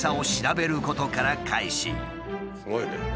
すごいね！